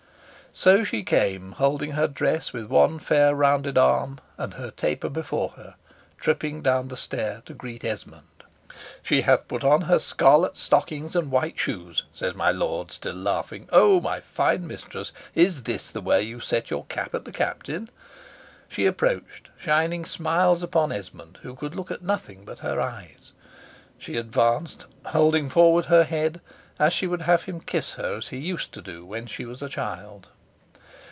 So she came holding her dress with one fair rounded arm, and her taper before her, tripping down the stair to greet Esmond. "She hath put on her scarlet stockings and white shoes," says my lord, still laughing. "Oh, my fine mistress! is this the way you set your cap at the Captain?" She approached, shining smiles upon Esmond, who could look at nothing but her eyes. She advanced holding forward her head, as if she would have him kiss her as he used to do when she was a child.